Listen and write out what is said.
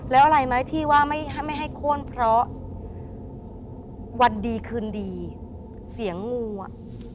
แล้วอะไรไหมที่ว่าไม่ให้ไม่ให้โค้นเพราะวันดีคืนดีเสียงงูอ่ะ